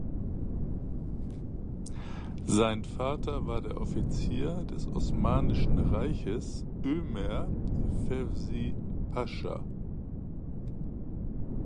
Sein Vater war der Offizier des Osmanischen Reiches Ömer Fevzi Pascha.